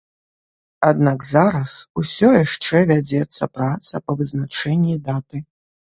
Аднак зараз усё яшчэ вядзецца праца па вызначэнні даты.